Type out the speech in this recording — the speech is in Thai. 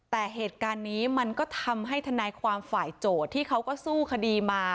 แต่เหตุการณ์นี้มันก็ทำให้ทนายความฝ่ายโจทย์ที่เขาก็สู้คดีมา